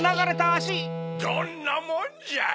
どんなもんじゃい。